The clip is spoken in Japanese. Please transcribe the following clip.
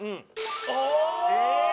ああ！